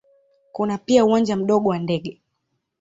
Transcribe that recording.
Kuna pia uwanja mdogo wa ndege.